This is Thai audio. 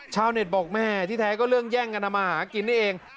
ชาวเน็ตบอกแม่ที่แท้ก็เรื่องแย่งกันทำมาหากินนี่เอง